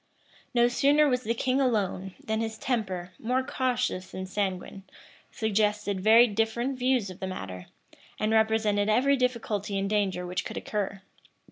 No sooner was the king alone, than his temper, more cautious than sanguine, suggested very different views of the matter, and represented every difficulty and danger which could occur.